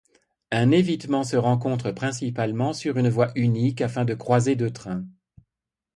Un évitement se rencontre principalement sur une voie unique, afin de croiser deux trains.